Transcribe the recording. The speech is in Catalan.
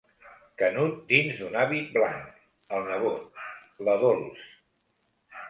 Canut dins d'un hàbit blanc, el nebot, la Dols...